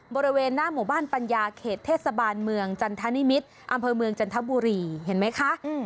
บริเวณหน้าหมู่บ้านปัญญาเขตเทศบาลเมืองจันทนิมิตรอำเภอเมืองจันทบุรีเห็นไหมคะ